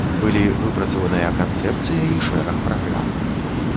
Былі выпрацаваныя канцэпцыя і шэраг праграм.